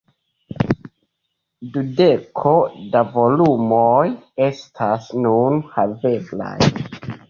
Dudeko da volumoj estas nun haveblaj.